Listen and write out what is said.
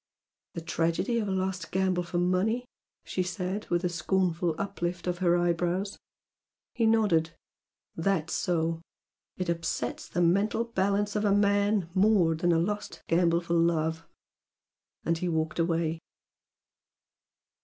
"The tragedy of a lost gamble for money!" she said, with a scornful uplift of her eyebrows. He nodded. "That's so! It upsets the mental balance of a man more than a lost gamble for love!" And he walked away.